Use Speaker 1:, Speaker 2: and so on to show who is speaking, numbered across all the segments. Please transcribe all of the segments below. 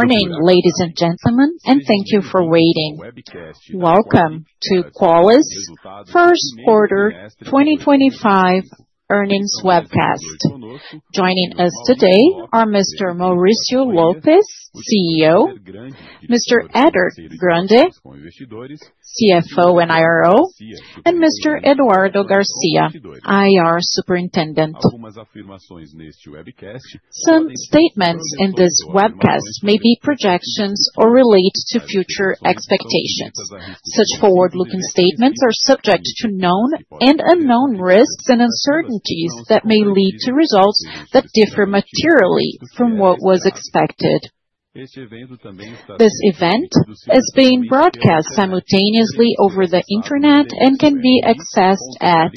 Speaker 1: Morning, ladies and gentlemen, and thank you for waiting. Welcome to Qualicorp First Quarter 2025 earnings webcast. Joining us today are Mr. Mauricio Lopez, CEO; Mr. Eder Grunde, CFO and IRO; and Mr. Eduardo Garcia, IR Superintendent. Some statements in this webcast may be projections or relate to future expectations. Such forward-looking statements are subject to known and unknown risks and uncertainties that may lead to results that differ materially from what was expected. This event is being broadcast simultaneously over the internet and can be accessed at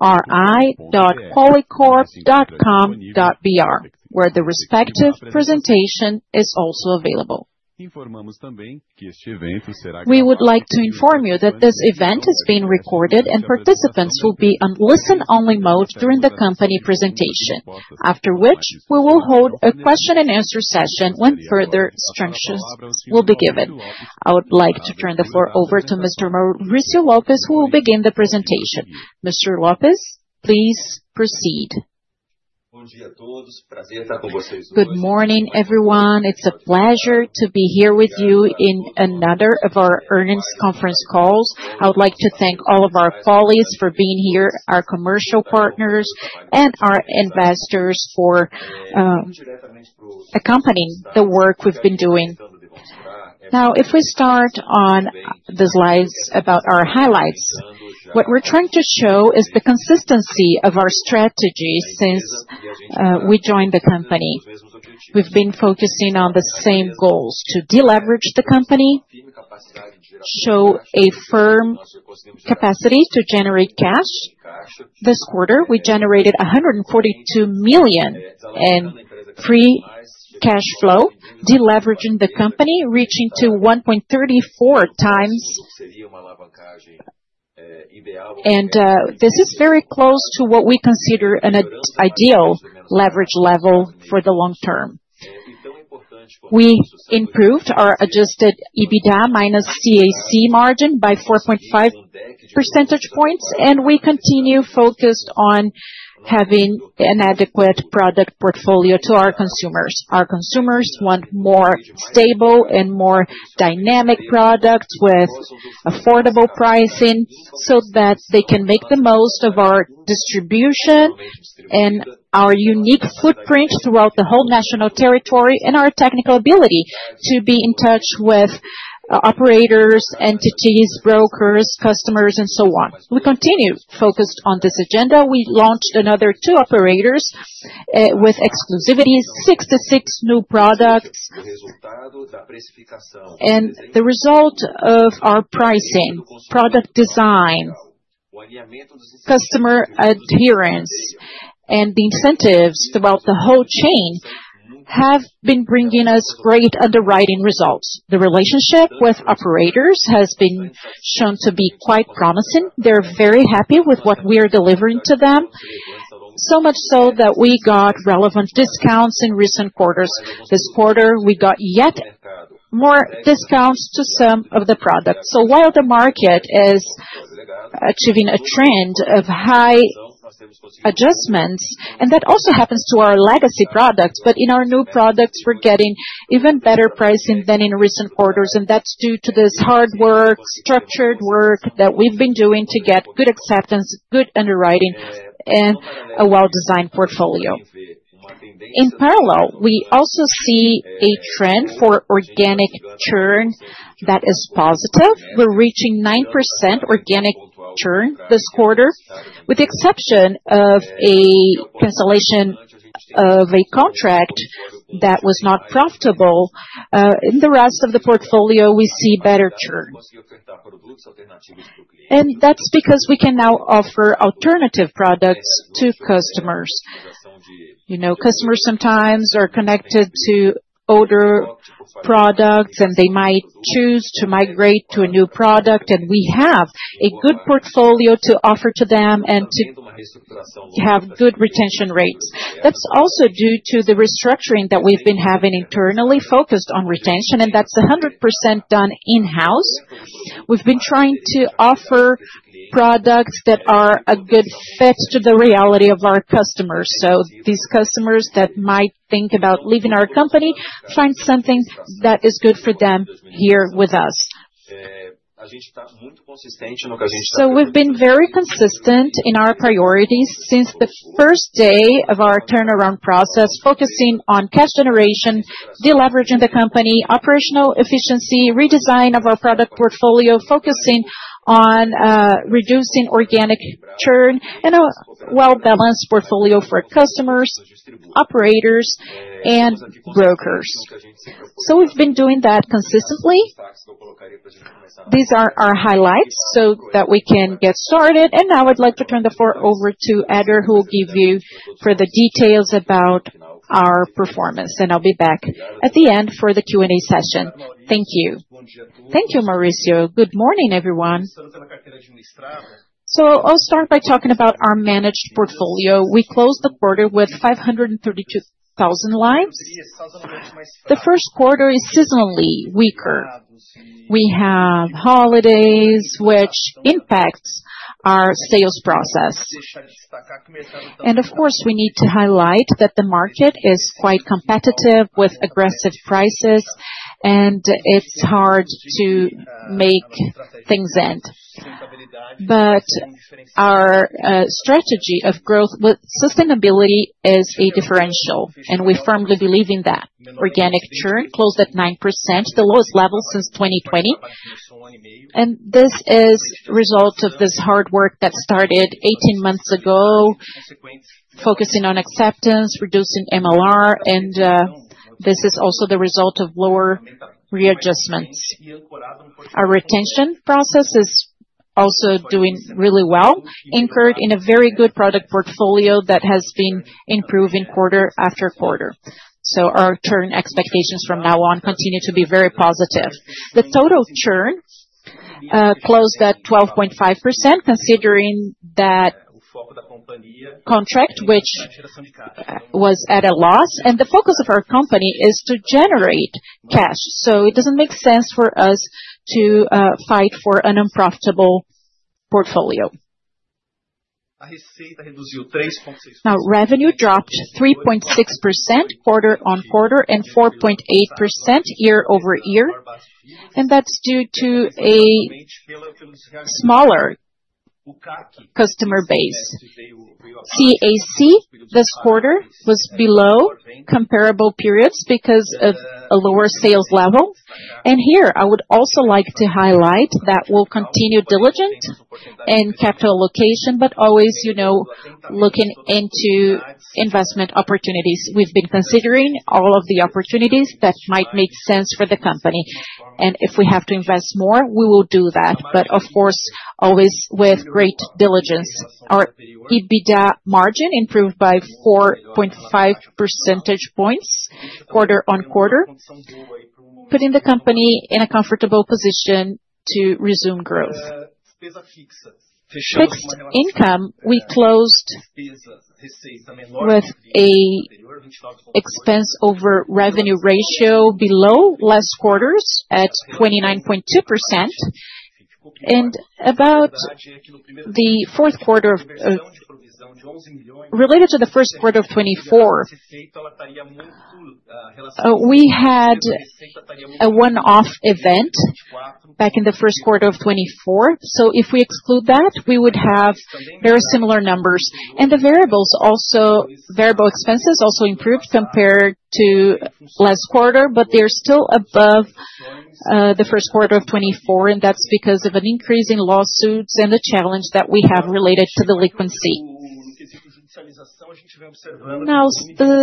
Speaker 1: ri.qualicorp.com.br, where the respective presentation is also available. We would like to inform you that this event is being recorded and participants will be on listen-only mode during the company presentation, after which we will hold a question-and-answer session when further instructions will be given. I would like to turn the floor over to Mr. Mauricio Lopez, who will begin the presentation. Mr. Lopez, please proceed. Good morning, everyone. It's a pleasure to be here with you in another of our earnings conference calls. I would like to thank all of our colleagues for being here, our commercial partners, and our investors for accompanying the work we've been doing. Now, if we start on the slides about our highlights, what we're trying to show is the consistency of our strategy since we joined the company. We've been focusing on the same goals: to deleverage the company, show a firm capacity to generate cash. This quarter, we generated 142 million in free cash flow, deleveraging the company, reaching 1.34 times ideal. This is very close to what we consider an ideal leverage level for the long term. We improved our adjusted EBITDA minus CAC margin by 4.5 percentage points, and we continue focused on having an adequate product portfolio to our consumers. Our consumers want more stable and more dynamic products with affordable pricing so that they can make the most of our distribution and our unique footprint throughout the whole national territory and our technical ability to be in touch with operators, entities, brokers, customers, and so on. We continue focused on this agenda. We launched another two operators with exclusivity, 66 new products. The result of our pricing, product design, customer adherence, and the incentives throughout the whole chain have been bringing us great underwriting results. The relationship with operators has been shown to be quite promising. They're very happy with what we are delivering to them, so much so that we got relevant discounts in recent quarters. This quarter, we got yet more discounts to some of the products. While the market is achieving a trend of high adjustments, and that also happens to our legacy products, in our new products, we're getting even better pricing than in recent quarters, and that's due to this hard work, structured work that we've been doing to get good acceptance, good underwriting, and a well-designed portfolio. In parallel, we also see a trend for organic churn that is positive. We're reaching 9% organic churn this quarter. With the exception of a cancellation of a contract that was not profitable, in the rest of the portfolio, we see better churn. That's because we can now offer alternative products to customers. Customers sometimes are connected to older products, and they might choose to migrate to a new product, and we have a good portfolio to offer to them and to have good retention rates. That's also due to the restructuring that we've been having internally, focused on retention, and that's 100% done in-house. We've been trying to offer products that are a good fit to the reality of our customers. These customers that might think about leaving our company find something that is good for them here with us. We have been very consistent in our priorities since the first day of our turnaround process, focusing on cash generation, deleveraging the company, operational efficiency, redesign of our product portfolio, focusing on reducing organic churn, and a well-balanced portfolio for customers, operators, and brokers. We have been doing that consistently. These are our highlights so that we can get started. Now I'd like to turn the floor over to Eder, who will give you further details about our performance, and I'll be back at the end for the Q&A session. Thank you. Thank you, Mauricio. Good morning, everyone. I'll start by talking about our managed portfolio. We closed the quarter with 532,000 lives. The first quarter is seasonally weaker. We have holidays, which impacts our sales process. Of course, we need to highlight that the market is quite competitive with aggressive prices, and it's hard to make things end. Our strategy of growth with sustainability is a differential, and we firmly believe in that. Organic churn closed at 9%, the lowest level since 2020. This is the result of this hard work that started 18 months ago, focusing on acceptance, reducing MLR, and this is also the result of lower readjustments. Our retention process is also doing really well, anchored in a very good product portfolio that has been improving quarter after quarter. Our churn expectations from now on continue to be very positive. The total churn closed at 12.5%, considering that contract, which was at a loss, and the focus of our company is to generate cash. It does not make sense for us to fight for an unprofitable portfolio. Our revenue dropped 3.6% quarter on quarter and 4.8% year over year, and that is due to a smaller customer base. CAC this quarter was below comparable periods because of a lower sales level. Here, I would also like to highlight that we will continue diligent and capital allocation, but always looking into investment opportunities. We have been considering all of the opportunities that might make sense for the company. If we have to invest more, we will do that, but of course, always with great diligence. Our EBITDA margin improved by 4.5 percentage points quarter on quarter, putting the company in a comfortable position to resume growth. Fixed income, we closed with an expense over revenue ratio below last quarter at 29.2%. About the fourth quarter related to the first quarter of 2024, we had a one-off event back in the first quarter of 2024. If we exclude that, we would have very similar numbers. The variable expenses also improved compared to last quarter, but they're still above the first quarter of 2024, and that's because of an increase in lawsuits and the challenge that we have related to the liquidity. The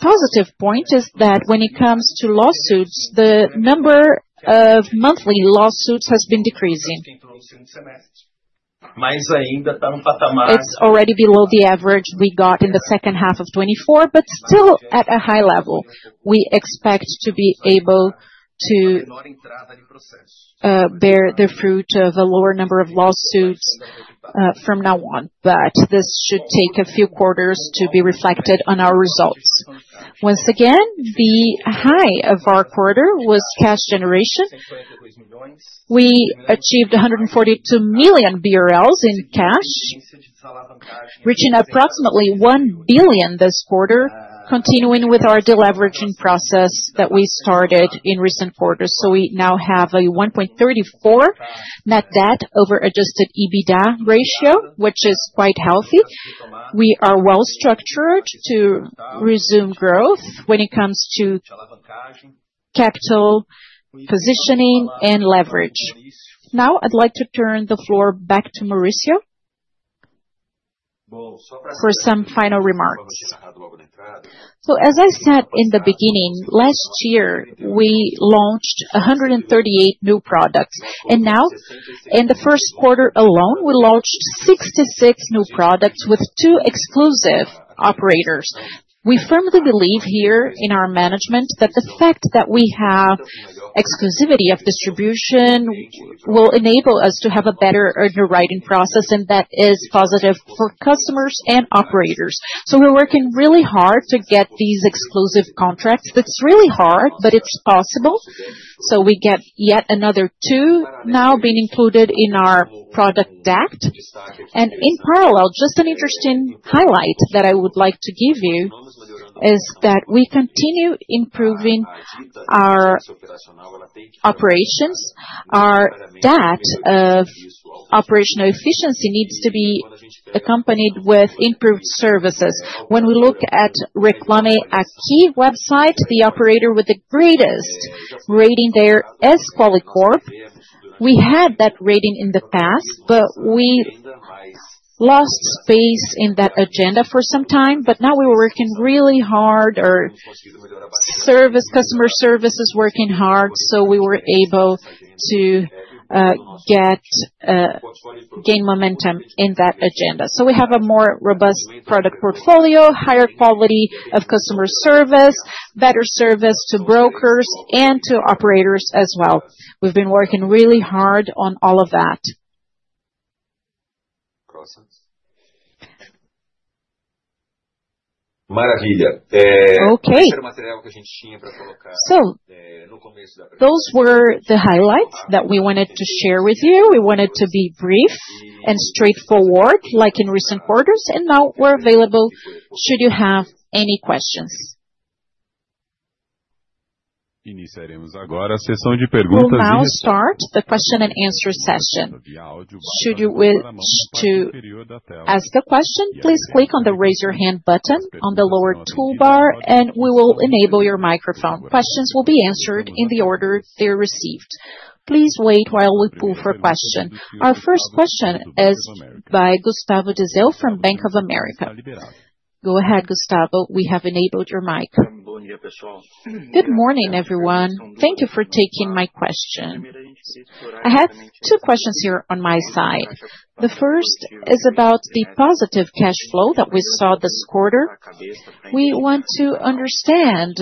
Speaker 1: positive point is that when it comes to lawsuits, the number of monthly lawsuits has been decreasing. It's already below the average we got in the second half of 2024, but still at a high level. We expect to be able to bear the fruit of a lower number of lawsuits from now on, but this should take a few quarters to be reflected on our results. Once again, the high of our quarter was cash generation. We achieved 142 million BRL in cash, reaching approximately 1 billion this quarter, continuing with our deleveraging process that we started in recent quarters. We now have a 1.34 net debt over adjusted EBITDA ratio, which is quite healthy. We are well-structured to resume growth when it comes to capital positioning and leverage. Now, I'd like to turn the floor back to Mauricio for some final remarks. As I said in the beginning, last year, we launched 138 new products. Now, in the first quarter alone, we launched 66 new products with two exclusive operators. We firmly believe here in our management that the fact that we have exclusivity of distribution will enable us to have a better underwriting process, and that is positive for customers and operators. We are working really hard to get these exclusive contracts. It is really hard, but it is possible. We get yet another two now being included in our product deck. In parallel, just an interesting highlight that I would like to give you is that we continue improving our operations. Our debt of operational efficiency needs to be accompanied with improved services. When we look at Reclame Aqui website, the operator with the greatest rating there is Qualicorp. We had that rating in the past, but we lost space in that agenda for some time. Now we are working really hard. Customer service is working hard, so we were able to gain momentum in that agenda. We have a more robust product portfolio, higher quality of customer service, better service to brokers and to operators as well. We have been working really hard on all of that. Okay. Those were the highlights that we wanted to share with you. We wanted to be brief and straightforward, like in recent quarters, and now we are available should you have any questions. We will now start the question and answer session. Should you wish to ask a question, please click on the raise your hand button on the lower toolbar, and we will enable your microphone. Questions will be answered in the order they're received. Please wait while we pull for a question. Our first question is by Gustavo Deseo from Bank of America. Go ahead, Gustavo. We have enabled your mic. Good morning, everyone. Thank you for taking my question. I have two questions here on my side. The first is about the positive cash flow that we saw this quarter. We want to understand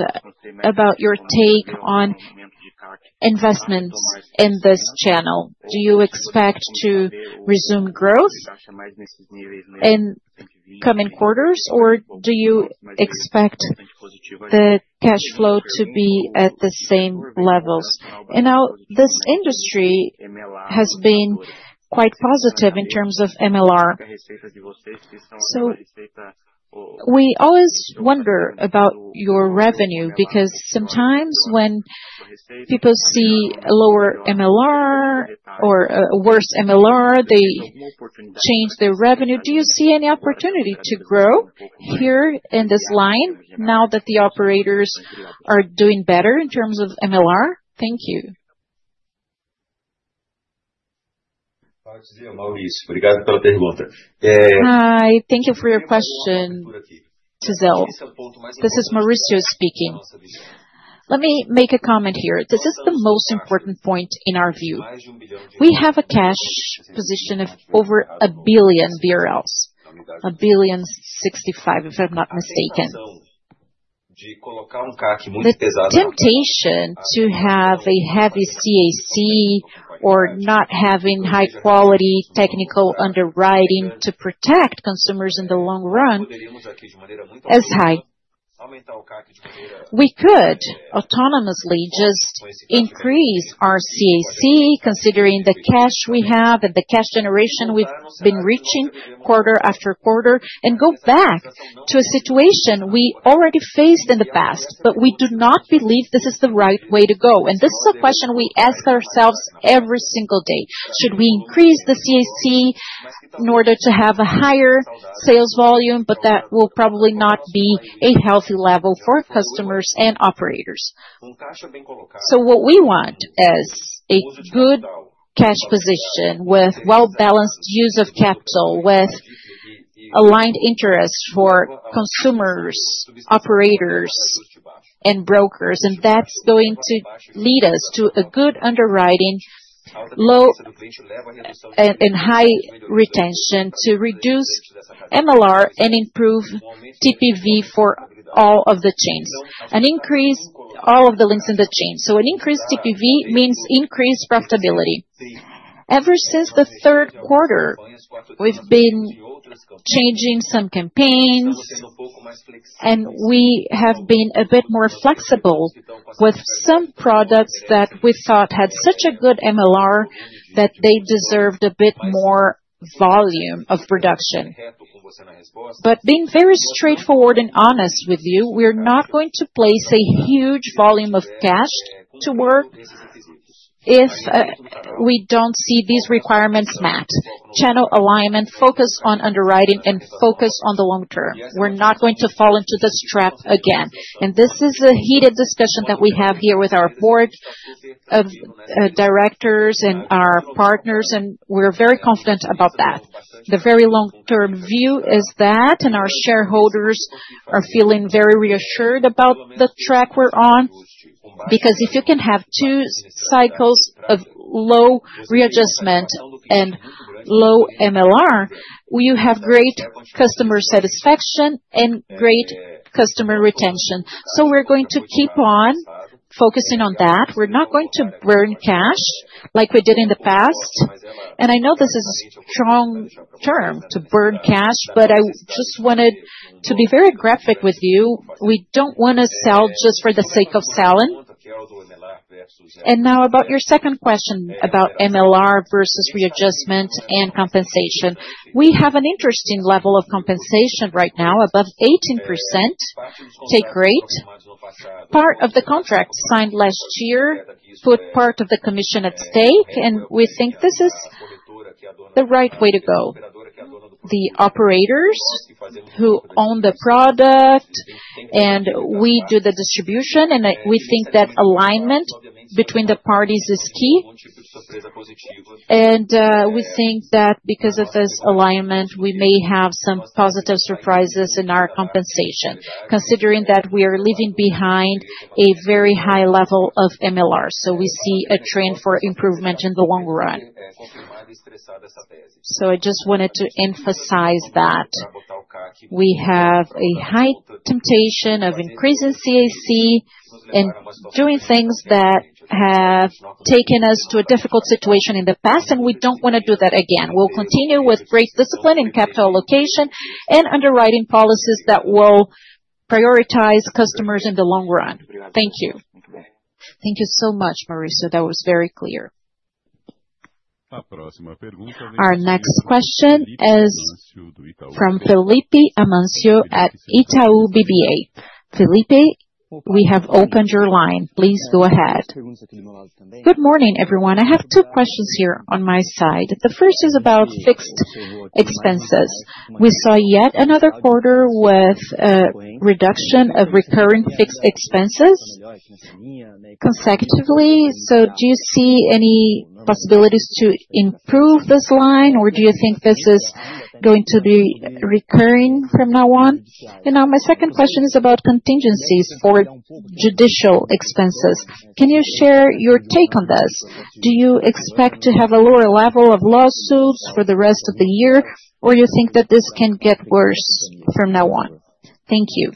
Speaker 1: about your take on investments in this channel. Do you expect to resume growth in coming quarters, or do you expect the cash flow to be at the same levels? Now this industry has been quite positive in terms of MLR. We always wonder about your revenue because sometimes when people see lower MLR or worse MLR, they change their revenue. Do you see any opportunity to grow here in this line now that the operators are doing better in terms of MLR? Thank you.
Speaker 2: Hi. Thank you for your question, Tesel. This is Mauricio speaking. Let me make a comment here. This is the most important point in our view. We have a cash position of over 1 billion BRL, 1.065 billion, if I'm not mistaken. The temptation to have a heavy CAC or not having high-quality technical underwriting to protect consumers in the long run is high. We could autonomously just increase our CAC, considering the cash we have and the cash generation we've been reaching quarter after quarter, and go back to a situation we already faced in the past. We do not believe this is the right way to go. This is a question we ask ourselves every single day. Should we increase the CAC in order to have a higher sales volume, but that will probably not be a healthy level for customers and operators? What we want is a good cash position with well-balanced use of capital, with aligned interests for consumers, operators, and brokers, and that is going to lead us to a good underwriting, low and high retention to reduce MLR and improve TPV for all of the chains, and increase all of the links in the chain. An increased TPV means increased profitability. Ever since the third quarter, we've been changing some campaigns, and we have been a bit more flexible with some products that we thought had such a good MLR that they deserved a bit more volume of production. Being very straightforward and honest with you, we're not going to place a huge volume of cash to work if we don't see these requirements met. Channel alignment, focus on underwriting, and focus on the long term. We're not going to fall into this trap again. This is a heated discussion that we have here with our board of directors and our partners, and we're very confident about that. The very long-term view is that, and our shareholders are feeling very reassured about the track we're on, because if you can have two cycles of low readjustment and low MLR, you have great customer satisfaction and great customer retention. We're going to keep on focusing on that. We're not going to burn cash like we did in the past. I know this is a strong term to burn cash, but I just wanted to be very graphic with you. We don't want to sell just for the sake of selling. Now about your second question about MLR versus readjustment and compensation. We have an interesting level of compensation right now, above 18% take rate. Part of the contract signed last year put part of the commission at stake, and we think this is the right way to go. The operators who own the product, and we do the distribution, and we think that alignment between the parties is key. We think that because of this alignment, we may have some positive surprises in our compensation, considering that we are leaving behind a very high level of MLR. We see a trend for improvement in the long run. I just wanted to emphasize that we have a high temptation of increasing CAC and doing things that have taken us to a difficult situation in the past, and we do not want to do that again. We will continue with great discipline in capital allocation and underwriting policies that will prioritize customers in the long run. Thank you. Thank you so much, Mauricio. That was very clear.
Speaker 1: Our next question is from Felipe Amancio at Itaú BBA. Felipe, we have opened your line. Please go ahead. Good morning, everyone. I have two questions here on my side. The first is about fixed expenses. We saw yet another quarter with a reduction of recurring fixed expenses consecutively. Do you see any possibilities to improve this line, or do you think this is going to be recurring from now on? My second question is about contingencies for judicial expenses. Can you share your take on this? Do you expect to have a lower level of lawsuits for the rest of the year, or do you think that this can get worse from now on? Thank you.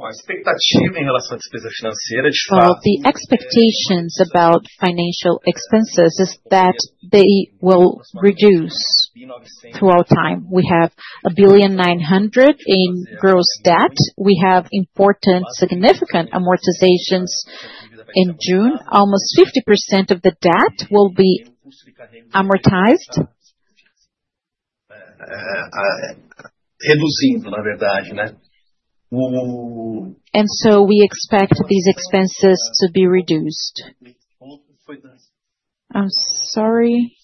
Speaker 3: The expectations about financial expenses is that they will reduce throughout time. We have 1.9 billion in gross debt. We have important, significant amortizations in June. Almost 50% of the debt will be amortized. We expect these expenses to be reduced. I'm sorry.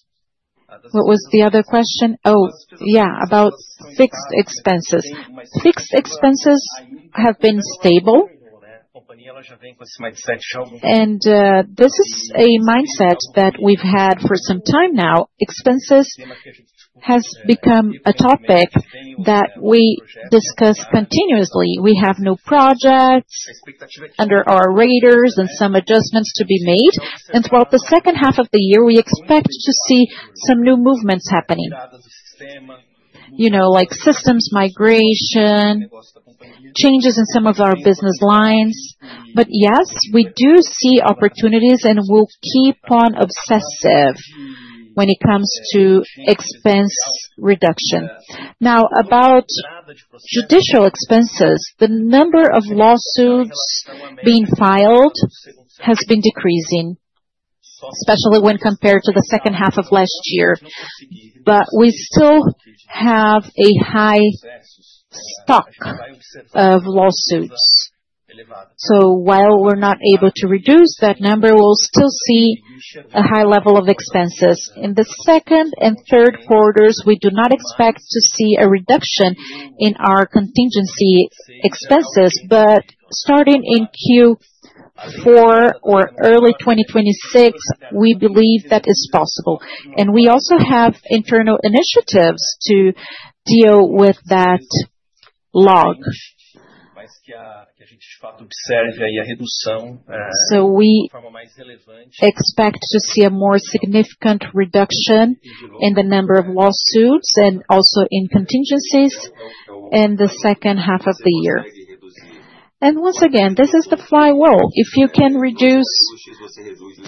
Speaker 3: What was the other question? Oh, yeah, about fixed expenses. Fixed expenses have been stable, and this is a mindset that we've had for some time now. Expenses have become a topic that we discuss continuously. We have new projects under our raters and some adjustments to be made. Throughout the second half of the year, we expect to see some new movements happening, like systems migration, changes in some of our business lines. Yes, we do see opportunities, and we'll keep on obsessive when it comes to expense reduction. Now, about judicial expenses, the number of lawsuits being filed has been decreasing, especially when compared to the second half of last year. We still have a high stock of lawsuits. While we're not able to reduce that number, we'll still see a high level of expenses. In the second and third quarters, we do not expect to see a reduction in our contingency expenses, but starting in Q4 or early 2026, we believe that is possible. We also have internal initiatives to deal with that log. We expect to see a more significant reduction in the number of lawsuits and also in contingencies in the second half of the year. Once again, this is the flywheel. If you can reduce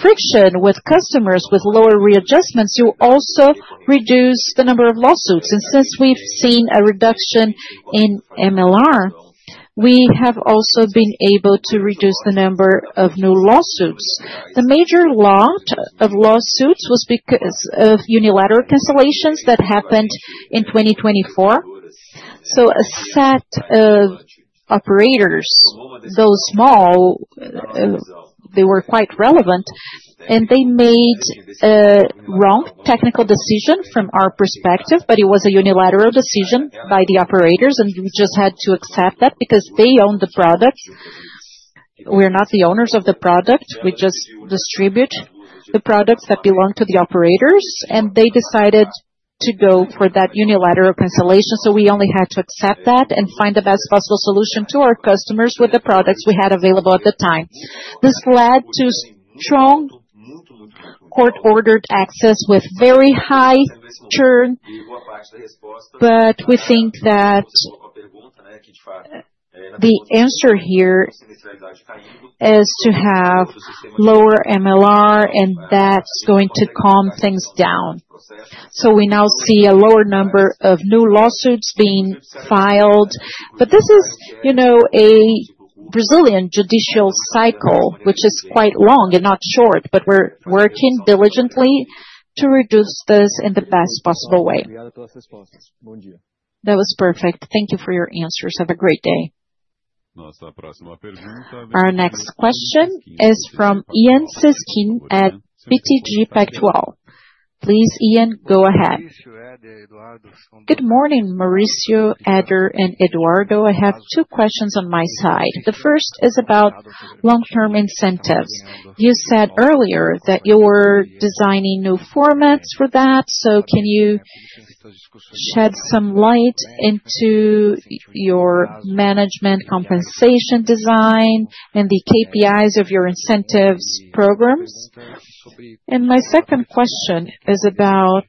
Speaker 3: friction with customers with lower readjustments, you also reduce the number of lawsuits. Since we have seen a reduction in MLR, we have also been able to reduce the number of new lawsuits. The major loss of lawsuits was because of unilateral cancellations that happened in 2024. A set of operators, though small, they were quite relevant, and they made a wrong technical decision from our perspective, but it was a unilateral decision by the operators, and we just had to accept that because they own the product. We're not the owners of the product. We just distribute the products that belong to the operators, and they decided to go for that unilateral cancellation. We only had to accept that and find the best possible solution to our customers with the products we had available at the time. This led to strong court-ordered access with very high churn, but we think that the answer here is to have lower MLR, and that's going to calm things down. We now see a lower number of new lawsuits being filed, but this is a Brazilian judicial cycle, which is quite long and not short, but we're working diligently to reduce this in the best possible way. That was perfect. Thank you for your answers. Have a great day. Our next question is from Ian Siskin at BTG Pactual. Please, Ian, go ahead. Good morning, Mauricio, Eder, and Eduardo. I have two questions on my side. The first is about long-term incentives. You said earlier that you were designing new formats for that, so can you shed some light into your management compensation design and the KPIs of your incentives programs? And my second question is about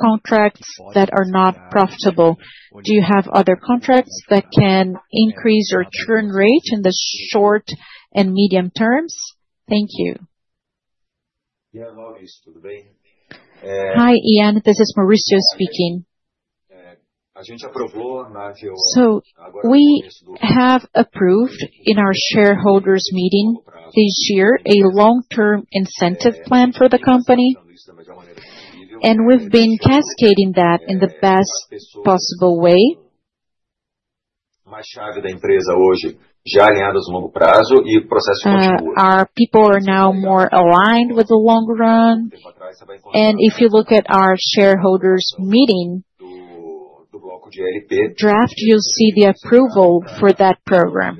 Speaker 3: contracts that are not profitable. Do you have other contracts that can increase your churn rate in the short and medium terms? Thank you.
Speaker 2: Hi, Ian. This is Mauricio speaking. We have approved in our shareholders' meeting this year a long-term incentive plan for the company, and we've been cascading that in the best possible way. Our people are now more aligned with the long run, and if you look at our shareholders' meeting draft, you'll see the approval for that program.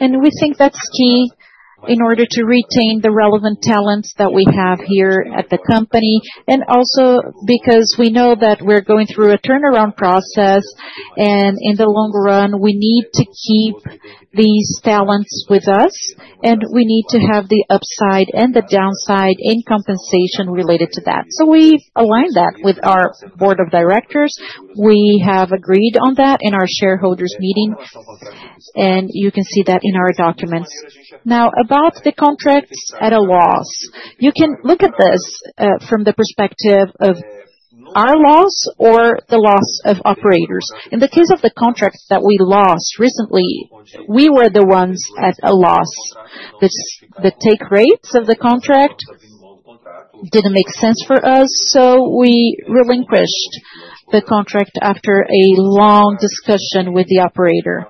Speaker 2: We think that's key in order to retain the relevant talents that we have here at the company, and also because we know that we're going through a turnaround process, and in the long run, we need to keep these talents with us, and we need to have the upside and the downside in compensation related to that. We aligned that with our board of directors. We have agreed on that in our shareholders' meeting, and you can see that in our documents. Now, about the contracts at a loss, you can look at this from the perspective of our loss or the loss of operators. In the case of the contract that we lost recently, we were the ones at a loss. The take rates of the contract did not make sense for us, so we relinquished the contract after a long discussion with the operator.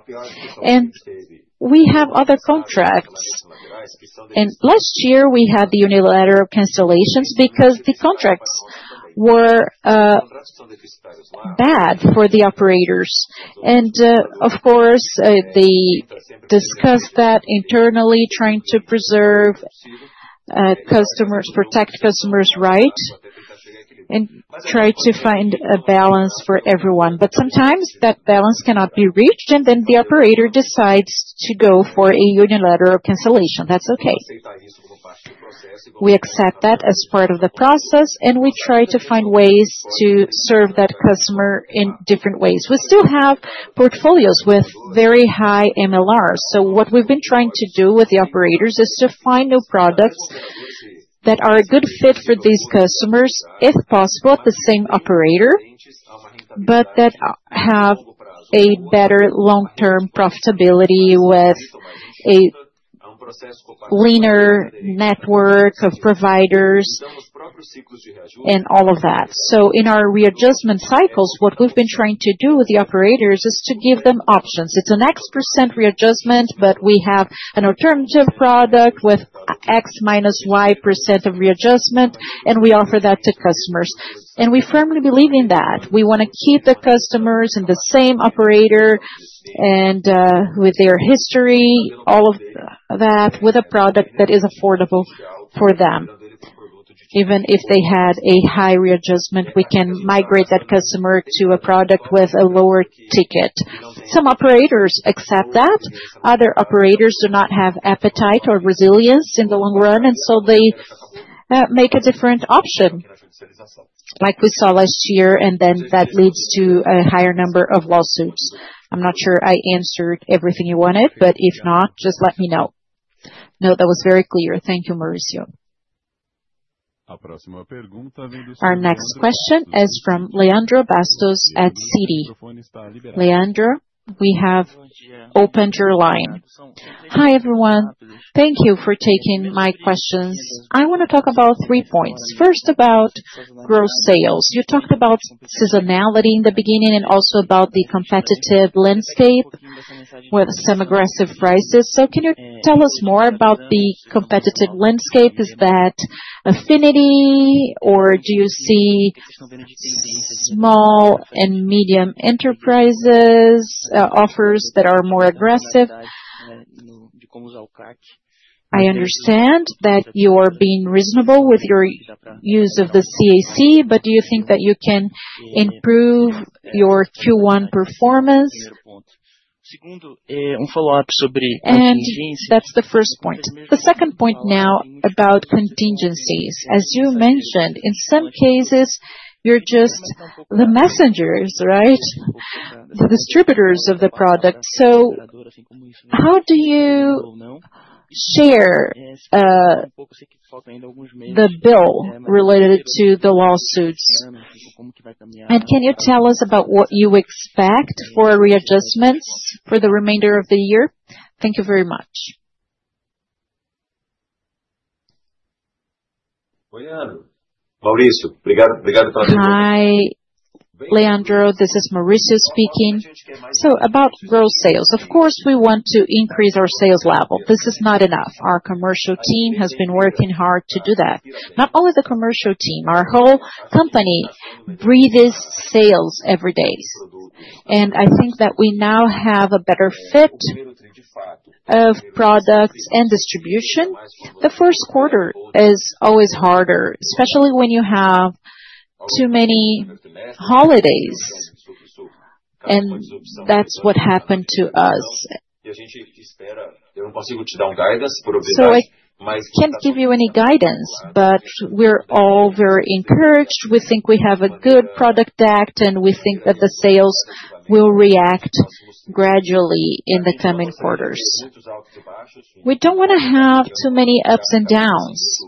Speaker 2: We have other contracts. Last year, we had the unilateral cancellations because the contracts were bad for the operators. Of course, they discussed that internally, trying to preserve customers, protect customers' rights, and try to find a balance for everyone. Sometimes that balance cannot be reached, and the operator decides to go for a unilateral cancellation. That is okay. We accept that as part of the process, and we try to find ways to serve that customer in different ways. We still have portfolios with very high MLRs. What we have been trying to do with the operators is to find new products that are a good fit for these customers, if possible, at the same operator, but that have better long-term profitability with a leaner network of providers and all of that. In our readjustment cycles, what we have been trying to do with the operators is to give them options. It is an X% readjustment, but we have an alternative product with X - Y% of readjustment, and we offer that to customers. We firmly believe in that. We want to keep the customers and the same operator and with their history, all of that, with a product that is affordable for them. Even if they had a high readjustment, we can migrate that customer to a product with a lower ticket. Some operators accept that. Other operators do not have appetite or resilience in the long run, and so they make a different option, like we saw last year, and then that leads to a higher number of lawsuits. I'm not sure I answered everything you wanted, but if not, just let me know. No, that was very clear. Thank you, Mauricio.
Speaker 1: Our next question is from Leandro Bastos at XP Investimentos. Leandro, we have opened your line. Hi, everyone. Thank you for taking my questions. I want to talk about three points. First, about gross sales. You talked about seasonality in the beginning and also about the competitive landscape with some aggressive prices. Can you tell us more about the competitive landscape? Is that affinity, or do you see small and medium enterprises' offers that are more aggressive? I understand that you are being reasonable with your use of the CAC, but do you think that you can improve your Q1 performance? That is the first point. The second point now about contingencies. As you mentioned, in some cases, you are just the messengers, right? The distributors of the product. How do you share the bill related to the lawsuits? Can you tell us about what you expect for readjustments for the remainder of the year? Thank you very much.
Speaker 2: Hi, Leandro, this is Mauricio speaking. About gross sales, of course, we want to increase our sales level. This is not enough. Our commercial team has been working hard to do that. Not only the commercial team, our whole company breathes sales every day. I think that we now have a better fit of products and distribution. The first quarter is always harder, especially when you have too many holidays, and that's what happened to us. I can't give you any guidance, but we're all very encouraged. We think we have a good product deck, and we think that the sales will react gradually in the coming quarters. We don't want to have too many ups and downs.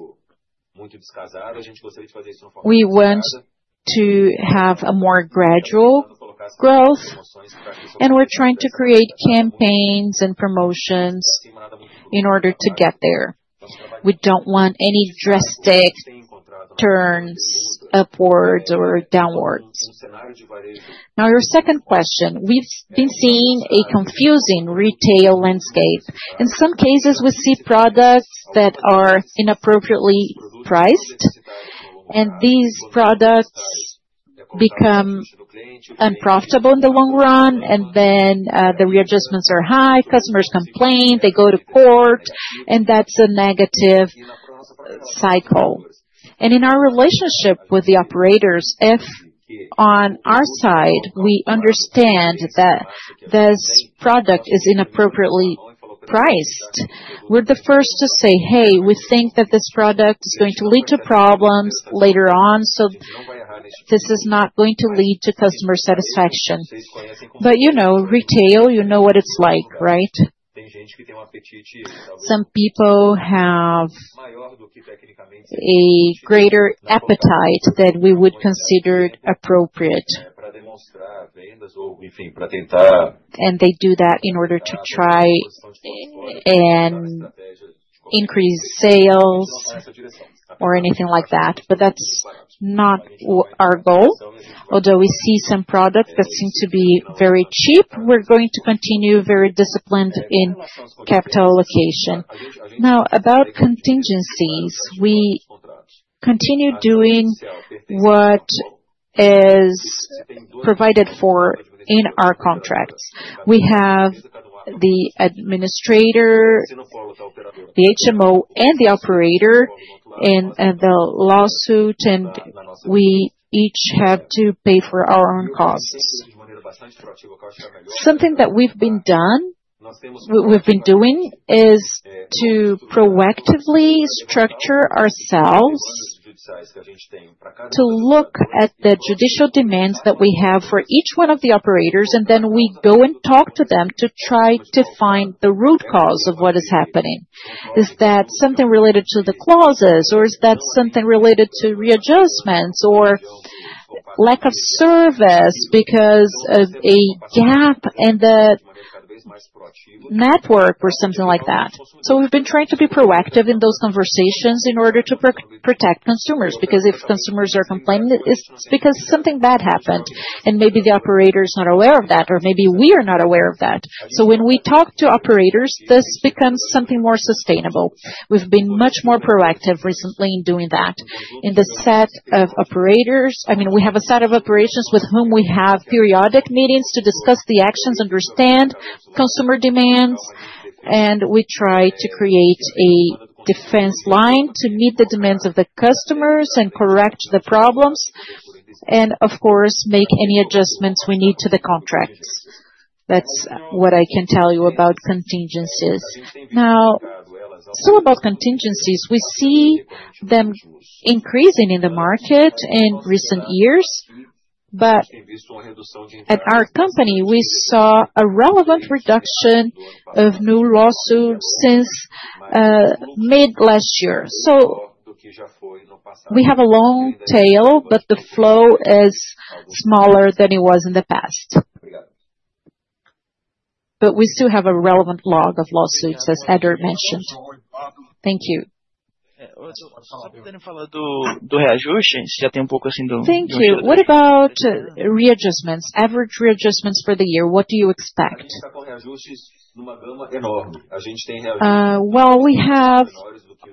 Speaker 2: We want to have a more gradual growth, and we're trying to create campaigns and promotions in order to get there. We don't want any drastic turns upwards or downwards. Now, your second question. We've been seeing a confusing retail landscape. In some cases, we see products that are inappropriately priced, and these products become unprofitable in the long run, and then the readjustments are high, customers complain, they go to court, and that's a negative cycle. In our relationship with the operators, if on our side we understand that this product is inappropriately priced, we are the first to say, "Hey, we think that this product is going to lead to problems later on, so this is not going to lead to customer satisfaction." Retail, you know what it is like, right? Some people have a greater appetite than we would consider appropriate and they do that in order to try and increase sales or anything like that. That is not our goal. Although we see some products that seem to be very cheap, we are going to continue very disciplined in capital allocation. Now, about contingencies, we continue doing what is provided for in our contracts. We have the administrator, the HMO, and the operator and the lawsuit, and we each have to pay for our own costs. Something that we've been doing is to proactively structure ourselves to look at the judicial demands that we have for each one of the operators, and then we go and talk to them to try to find the root cause of what is happening. Is that something related to the clauses, or is that something related to readjustments or lack of service because of a gap in the network or something like that? We have been trying to be proactive in those conversations in order to protect consumers because if consumers are complaining, it's because something bad happened, and maybe the operator is not aware of that, or maybe we are not aware of that. When we talk to operators, this becomes something more sustainable. We've been much more proactive recently in doing that. In the set of operators, I mean, we have a set of operations with whom we have periodic meetings to discuss the actions, understand consumer demands, and we try to create a defense line to meet the demands of the customers and correct the problems, and of course, make any adjustments we need to the contracts. That's what I can tell you about contingencies. Now, still about contingencies, we see them increasing in the market in recent years, but at our company, we saw a relevant reduction of new lawsuits since mid-last year. We have a long tail, but the flow is smaller than it was in the past. We still have a relevant log of lawsuits, as Eder mentioned. Thank you. Thank you. What about readjustments? Average readjustments for the year, what do you expect? We have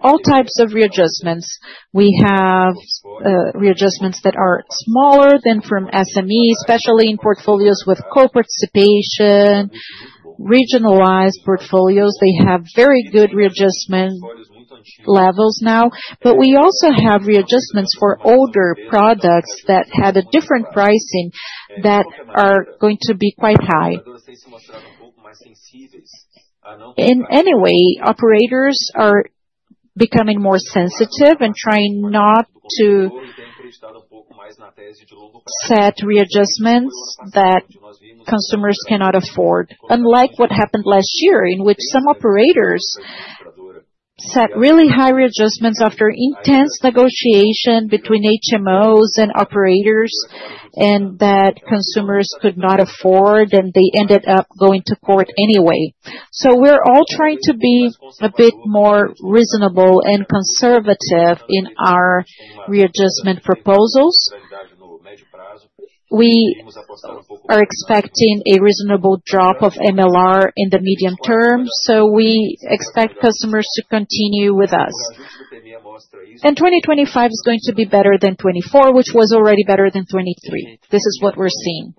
Speaker 2: all types of readjustments. We have readjustments that are smaller than from SME, especially in portfolios with co-participation, regionalized portfolios. They have very good readjustment levels now, but we also have readjustments for older products that have a different pricing that are going to be quite high. In any way, operators are becoming more sensitive and trying not to set readjustments that consumers cannot afford, unlike what happened last year, in which some operators set really high readjustments after intense negotiation between HMOs and operators, and that consumers could not afford, and they ended up going to court anyway. We are all trying to be a bit more reasonable and conservative in our readjustment proposals. We are expecting a reasonable drop of MLR in the medium term, so we expect customers to continue with us. And 2025 is going to be better than 2024, which was already better than 2023. This is what we're seeing.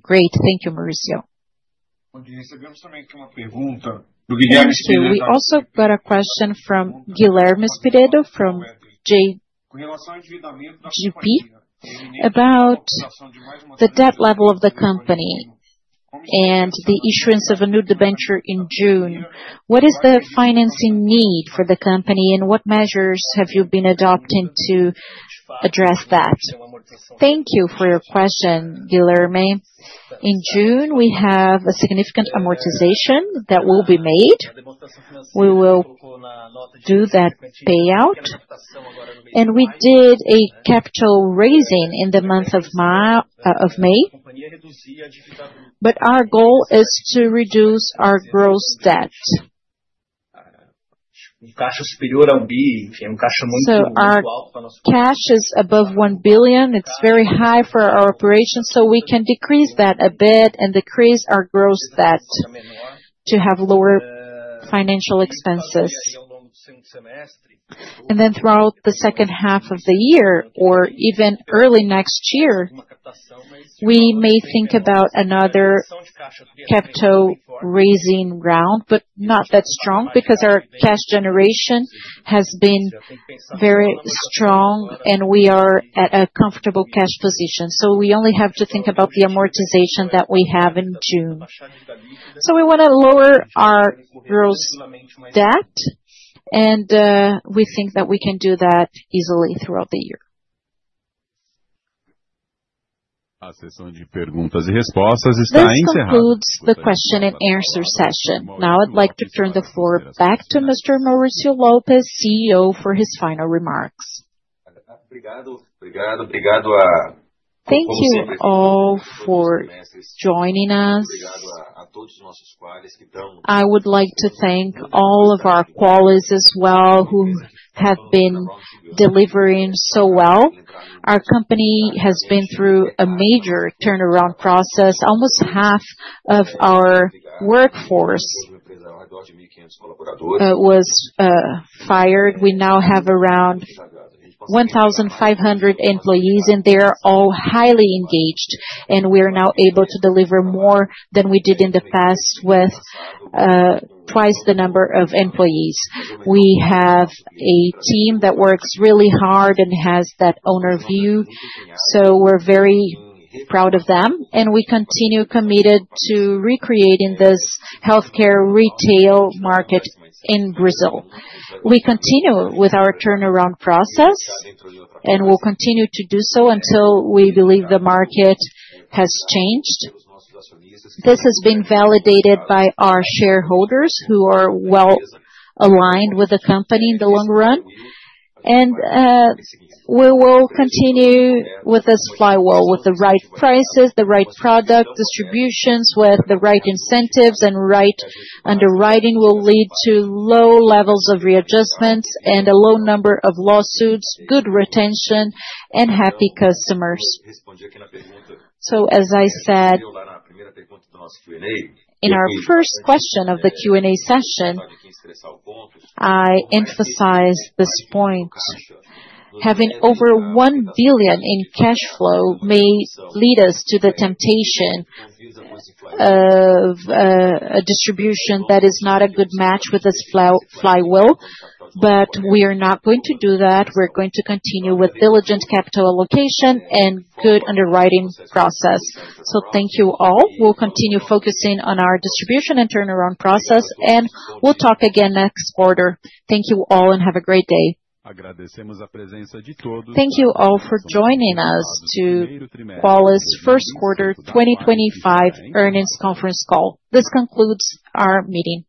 Speaker 2: Great. Thank you, Mauricio. Thank you.
Speaker 1: We also got a question from Guilherme Espireto from JGP about the debt level of the company and the issuance of a new debenture in June. What is the financing need for the company, and what measures have you been adopting to address that?
Speaker 3: Thank you for your question, Guilherme. In June, we have a significant amortization that will be made. We will do that payout, and we did a capital raising in the month of May, but our goal is to reduce our gross debt. So our cash is above 1 billion. It's very high for our operations, so we can decrease that a bit and decrease our gross debt to have lower financial expenses. Throughout the second half of the year or even early next year, we may think about another capital raising round, but not that strong because our cash generation has been very strong, and we are at a comfortable cash position. We only have to think about the amortization that we have in June. We want to lower our gross debt, and we think that we can do that easily throughout the year.
Speaker 1: This concludes the question and answer session. Now, I'd like to turn the floor back to Mr. Mauricio Lopez, CEO, for his final remarks.
Speaker 2: Thank you all for joining us. I would like to thank all of our colleagues as well who have been delivering so well. Our company has been through a major turnaround process. Almost half of our workforce was fired. We now have around 1,500 employees, and they are all highly engaged, and we are now able to deliver more than we did in the past with twice the number of employees. We have a team that works really hard and has that owner view. So we're very proud of them, and we continue committed to recreating this healthcare retail market in Brazil. We continue with our turnaround process, and we'll continue to do so until we believe the market has changed. This has been validated by our shareholders who are well aligned with the company in the long run, and we will continue with this flywheel with the right prices, the right product distributions with the right incentives and right underwriting will lead to low levels of readjustments and a low number of lawsuits, good retention, and happy customers. As I said, in our first question of the Q&A session, I emphasized this point. Having over 1 billion in cash flow may lead us to the temptation of a distribution that is not a good match with this flywheel, but we are not going to do that. We are going to continue with diligent capital allocation and good underwriting process. Thank you all. We will continue focusing on our distribution and turnaround process, and we will talk again next quarter. Thank you all, and have a great day.
Speaker 1: Thank you all for joining us to Qualicorp's first quarter 2025 earnings conference call. This concludes our meeting.